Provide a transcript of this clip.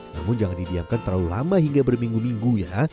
namun jangan didiamkan terlalu lama hingga berminggu minggu ya